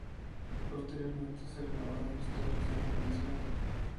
Posteriormente se renovaron las torres de iluminación.